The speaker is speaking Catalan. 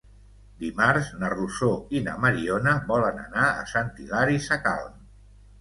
Dimarts na Rosó i na Mariona volen anar a Sant Hilari Sacalm.